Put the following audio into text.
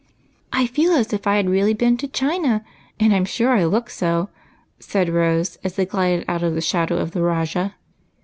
" I feel as if I had really been to China, and I 'm sure I look so," said Rose, as they glided out of the shadow of the "Rajah."